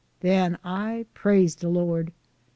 Den I praise de Lord.